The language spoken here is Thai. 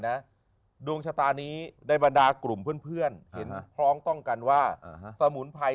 ดวงชะตานี้ได้บรรดากลุ่มเพื่อนเห็นพ้องต้องกันว่าสมุนไพร